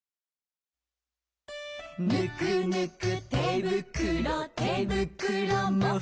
「ぬくぬくてぶくろてぶくろもふもふ」